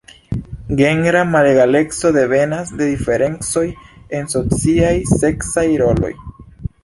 Genra malegaleco devenas de diferencoj en sociaj seksaj roloj.